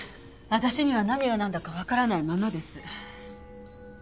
私には何がなんだかわからないままです。